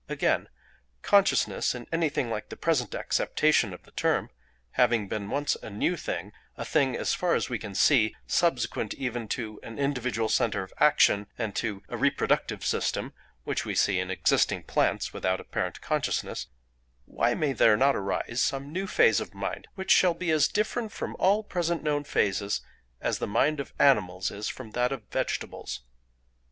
"Again. Consciousness, in anything like the present acceptation of the term, having been once a new thing—a thing, as far as we can see, subsequent even to an individual centre of action and to a reproductive system (which we see existing in plants without apparent consciousness)—why may not there arise some new phase of mind which shall be as different from all present known phases, as the mind of animals is from that of vegetables?